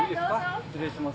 失礼します。